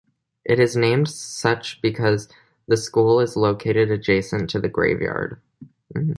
It is named such because the school is located adjacent to a graveyard.